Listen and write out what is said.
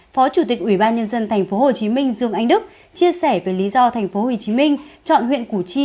phó chủ tịch ủy ban nhân dân tp hcm dương anh đức chia sẻ về lý do tp hcm chọn huyện củ chi